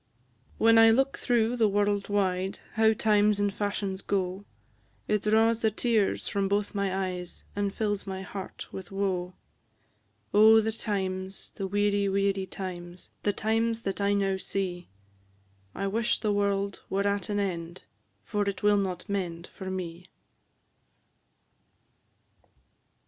When I look through the world wide, How times and fashions go, It draws the tears from both my eyes, And fills my heart with woe: Oh, the times, the weary, weary times! The times that I now see; I wish the world were at an end, For it will not mend for me!